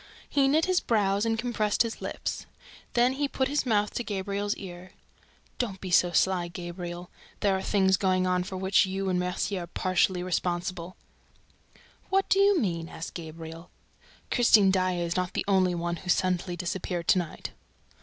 He knit his brows and contracted his lips. Then he put his mouth to Gabriel's ear: "Don't be so sly, Gabriel. There are things going on for which you and Mercier are partly responsible." "What do you mean?" asked Gabriel. "Christine Daae is not the only one who suddenly disappeared to night."